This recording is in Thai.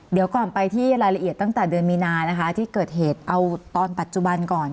เดี๋ยวก่อนไปที่รายละเอียดตั้งแต่เดือนมีนานะคะที่เกิดเหตุเอาตอนปัจจุบันก่อน